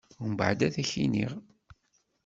Umbɛed ad k-d-iniƔ.